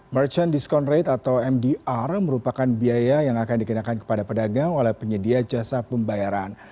merchant discount rate atau mdr merupakan biaya yang akan dikenakan kepada pedagang oleh penyedia jasa pembayaran